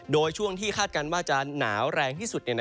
โดยช่วงที่คาดการณ์ว่าจะหนาวแรงที่สุด